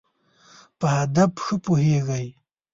په هدف ښه پوهېږی.